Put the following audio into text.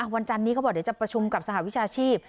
จันนี้เขาบอกเดี๋ยวจะประชุมกับสหวิชาชีพ